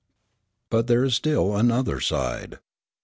But there is still another side.